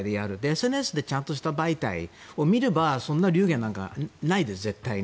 ＳＮＳでちゃんとした媒体を見ればそんな流言なんてないです絶対に。